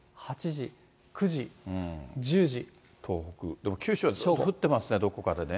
でも九州は降ってますね、どこかでね。